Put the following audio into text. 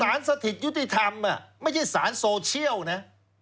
สถิตยุติธรรมไม่ใช่สารโซเชียลนะ